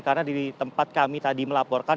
karena di tempat kami tadi melaporkan